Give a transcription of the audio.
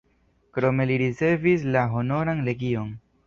Krome li ricevis la Honoran Legion.